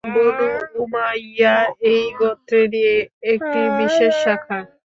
বনু Umayya এই গোত্রেরই একটি বিশেষ শাখা।